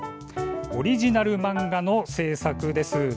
オリジナル漫画の制作です。